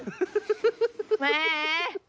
แม่